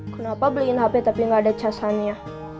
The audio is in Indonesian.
kenapa beliin hp tapi nggak ada casannya